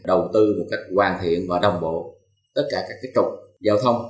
đầu tư một cách hoàn thiện và đồng bộ tất cả các trục giao thông